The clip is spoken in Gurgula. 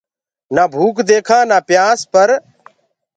نآ ڀوڪَ ديکانٚ نآ پيآنٚس پر